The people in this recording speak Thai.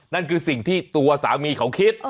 นั่นคือสิ่งที่ตัวสามีเขาคิด